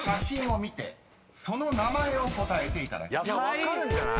分かるんじゃない⁉